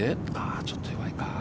ちょっと弱いか。